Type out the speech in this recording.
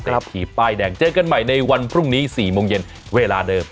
เศรษฐีป้ายแดงเจอกันใหม่ในวันพรุ่งนี้๔โมงเย็นเวลาเดิม